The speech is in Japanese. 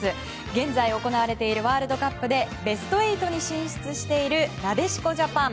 現在行われているワールドカップでベスト８に進出しているなでしこジャパン。